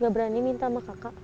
gak berani minta sama kakak